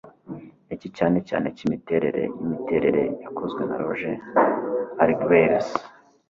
Niki Cyane Cyane Cyimiterere Yimiterere Yakozwe na Roger Hargreaves